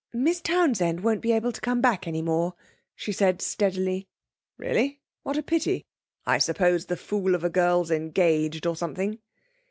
'Miss Townsend won't be able to come back any more,' she said steadily. 'Really? What a pity. I suppose the fool of a girl's engaged, or something.'